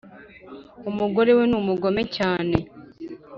Umugorewe numugome cyane